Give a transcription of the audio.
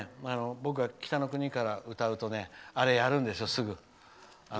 僕が「北の国から」を歌うとあれやるんですよ、すぐ。